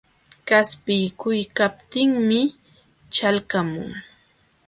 Qaspiykuykaptinmi ćhalqamun.